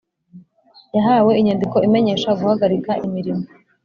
Yahawe inyandiko imenyesha guhagarika imirimo